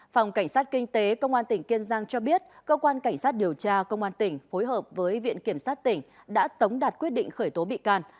phòng cảnh sát kinh tế công an tỉnh kiên giang cho biết cơ quan cảnh sát điều tra công an tỉnh phối hợp với viện kiểm sát tỉnh đã tống đạt quyết định khởi tố bị can